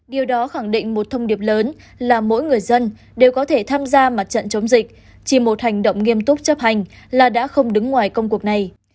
điều đó khẳng định một thông điệp lớn là mỗi người dân đều có thể tham gia mặt trận chống dịch chỉ một hành động nghiêm túc chấp hành là đã không đứng ngoài công cuộc này